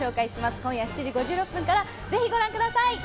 今夜７時５６分からぜひご覧ください。